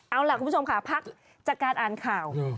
เอาล่ะคุณผู้ชมค่ะพักจากการอ่านข่าว